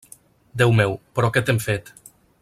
Déu meu, però què t'hem fet?